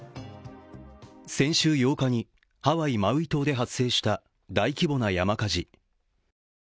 先週８日にハワイ・マウイ島で発生した大規模な山火事。